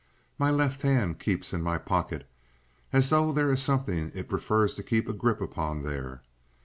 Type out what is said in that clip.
My left hand keeps in my pocket as though there is something it prefers to keep a grip upon there.